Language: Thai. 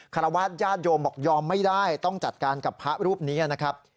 รวาสญาติโยมบอกยอมไม่ได้ต้องจัดการกับพระรูปนี้นะครับ